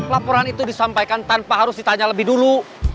laporan itu disampaikan tanpa harus ditanya lebih dulu